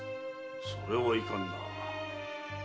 それはいかんなあ。